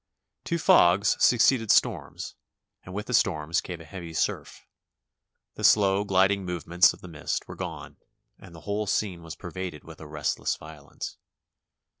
To fogs succeeded storms and with the storms came a heavy surf. The slow, gliding movements of the mist were gone and the whole scene was pervaded with a restless violence.